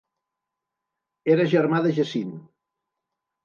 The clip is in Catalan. Era germà de Jacint.